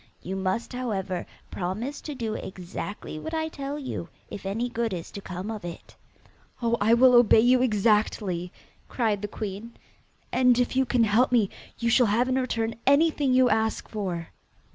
You must, however, promise to do exactly what I tell you, if any good is to come of it.' 'Oh, I will obey you exactly,' cried the queen, 'and if you can help me you shall have in return anything you ask for.